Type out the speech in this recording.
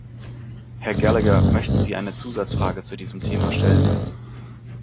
Herr Gallagher, möchten Sie eine Zusatzfrage zu diesem Thema stellen?